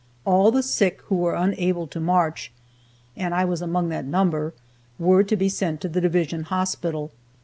All the sick who were unable to march (and I was among that number) were to be sent to the Division Hospital.